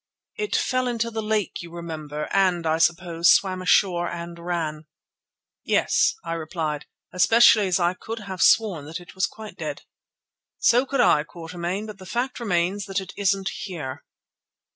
It fell into the lake, you remember, and, I suppose, swam ashore and ran." "Yes," I replied, "especially as I could have sworn that it was quite dead." "So could I, Quatermain; but the fact remains that it isn't there."